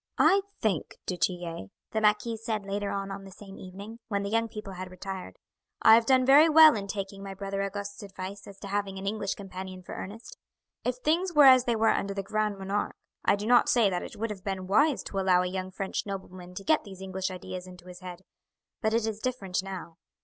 "I think, du Tillet," the marquis said later on on the same evening, when the young people had retired, "I have done very well in taking my brother Auguste's advice as to having an English companion for Ernest. If things were as they were under the Grand Monarque, I do not say that it would have been wise to allow a young French nobleman to get these English ideas into his head, but it is different now.